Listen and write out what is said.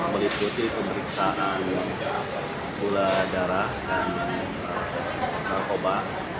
meliputi pemeriksaan gula darah dan narkoba